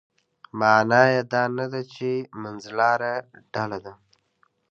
معنا یې دا نه ده چې منځلاره ډله ده.